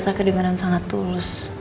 bu elsa kedengaran sangat tulus